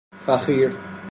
فخیر